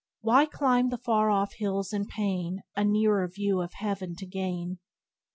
Why climb the far off hills with pain, A nearer view of heaven to gain?